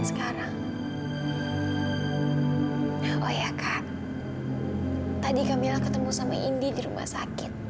kita sekarang tak mengerti apa di dalam lr youngnya